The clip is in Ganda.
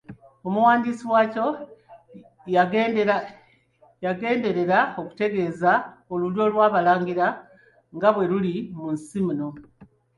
Omuwandiisi waakyo yagenderera okutegeeza olulyo lw'Abalangira nga bwe luli mu nsi muno.